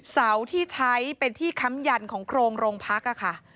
เสาที่ใช้เป็นที่ค้ำยันของโครงโรงพักค่ะ